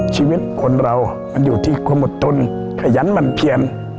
ชีวิตคนเรามันอยู่ที่ความอดทนขยันหมั่นเพียน